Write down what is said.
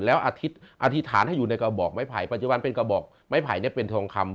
แล้วอาทิตย์อธิษฐานให้อยู่ในกระบอกไม้ไผ่ปัจจุบันเป็นกระบอกไม้ไผ่เป็นทองคำ